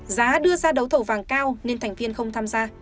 giá đưa ra đấu thầu vàng cao nên thành viên không tham gia